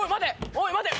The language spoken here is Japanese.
おい待て。